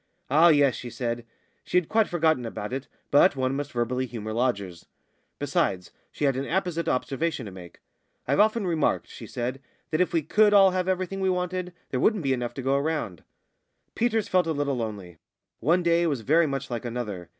"Ah, yes," she said. She had quite forgotten about it, but one must verbally humour lodgers. Besides, she had an apposite observation to make. "I've often remarked," she said, "that if we could all have everything we wanted, there wouldn't be enough to go round." Peters felt a little lonely. One day was very much like another.